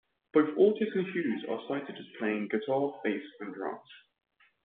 Both Ortiz and Hughes are cited as playing guitar, bass and drums.